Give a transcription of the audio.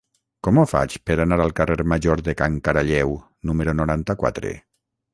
Com ho faig per anar al carrer Major de Can Caralleu número noranta-quatre?